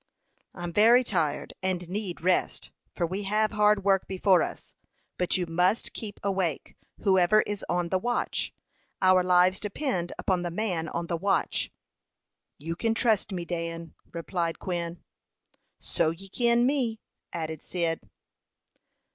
"I'm very tired, and need rest, for we have hard work before us; but you must keep awake, whoever is on the watch. Our lives depend upon the man on the watch." "You kin trust me, Dan," replied Quin. "So you kin me," added Cyd.